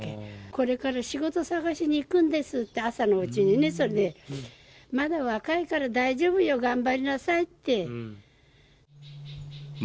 これから仕事探しに行くんですって、朝のうちにね、それでまだ若いから大丈夫よ、頑張りなさいって。